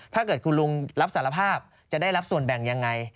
ถ้าเกิดคุณลุงรับสารภาพจะได้รับส่วนแบ่งยังไง